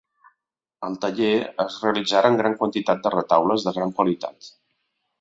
Al taller es realitzaren gran quantitat de retaules de gran qualitat.